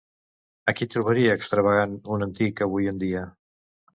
A qui trobaria extravagant un antic avui en dia?